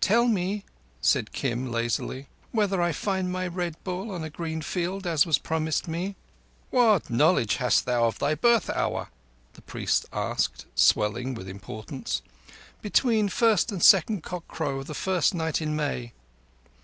"Tell me," said Kim lazily, "whether I find my Red Bull on a green field, as was promised me." "What knowledge hast thou of thy birth hour?" the priest asked, swelling with importance. "Between first and second cockcrow of the first night in May."